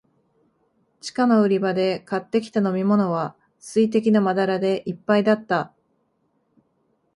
地下の売り場で買ってきた飲みものは、水滴のまだらでいっぱいだった。